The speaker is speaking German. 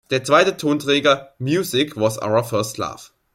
Der zweite Tonträger "Music was our first love!